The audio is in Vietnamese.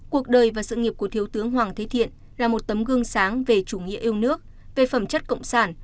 cuộc đời và sự nghiệp của thiếu tướng hoàng thế thiện là một tấm gương sáng về chủ nghĩa yêu nước về phẩm chất cộng sản